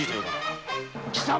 貴様！